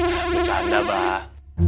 ah bercanda bah